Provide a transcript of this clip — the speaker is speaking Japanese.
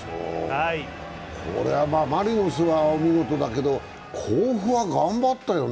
これはマリノスがお見事だけど甲府は頑張ったよね。